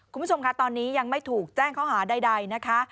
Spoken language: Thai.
คุณผู้ชมค่ะตอนนี้ยังไม่ถูกแจ้งข้อหาใดนะคะ